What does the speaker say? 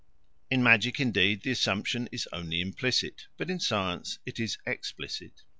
In magic, indeed, the assumption is only implicit, but in science it is explicit.